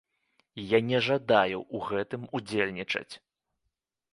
Я не жадаю ў гэтым удзельнічаць.